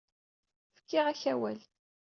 Fkiɣ-ak awal.